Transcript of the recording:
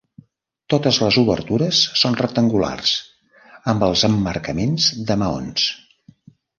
Totes les obertures són rectangulars, amb els emmarcaments de maons.